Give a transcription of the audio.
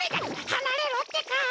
はなれろってか！